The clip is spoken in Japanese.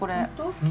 好き。